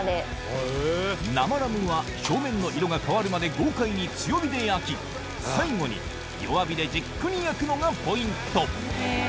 生ラムは表面の色が変わるまで豪快に強火で焼き最後に弱火でじっくり焼くのがポイント